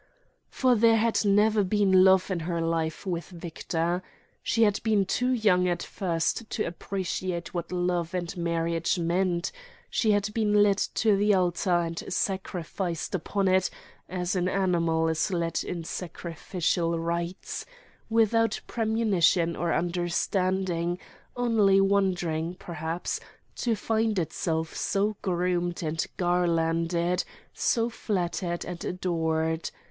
For there had never been love in her life with Victor. She had been too young at first to appreciate what love and marriage meant, she had been led to the altar and sacrificed upon it as an animal is led in sacrificial rites—without premonition or understanding, only wondering (perhaps) to find itself so groomed and garlanded, so flattered and adored.